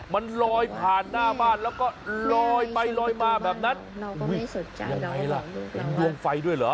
มันลอยผ่านหน้าบ้านแล้วก็ลอยไปลอยมาแบบนั้นยังไงล่ะเห็นดวงไฟด้วยเหรอ